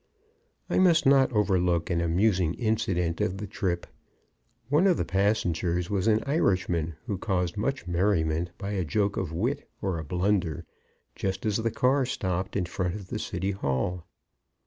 I must not overlook an amusing incident of the trip. One of the passengers was an Irishman, who caused much merriment by a stroke of wit, or a blunder, just as the car stopped in front of the City Hall.